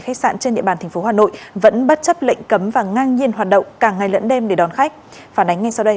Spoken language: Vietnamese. khách sạn tqt số một a ít kiêu vườn trấn đạo quận phàn kiếm